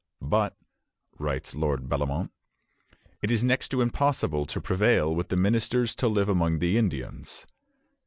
"But," writes Lord Bellomont, "it is next to impossible to prevail with the ministers to live among the Indians.